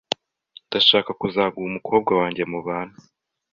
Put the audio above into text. Ndashaka kuzaguha umukobwa wange mubane